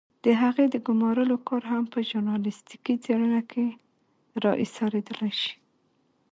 د هغې د ګمارلو کار هم په ژورنالستيکي څېړنه کې را اېسارېدلای شي.